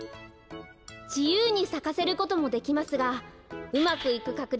じゆうにさかせることもできますがうまくいくかくり